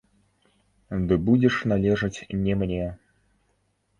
Ды будзеш належаць не мне.